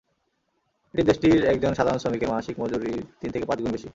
এটি দেশটির একজন সাধারণ শ্রমিকের মাসিক মজুরির তিন থেকে পাঁচ গুণ বেশি।